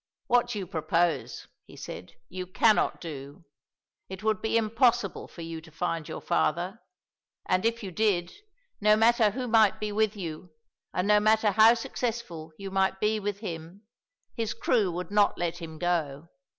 "What you propose," he said, "you cannot do. It would be impossible for you to find your father; and if you did, no matter who might be with you, and no matter how successful you might be with him, his crew would not let him go.